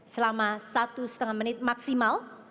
selama satu setengah menit maksimal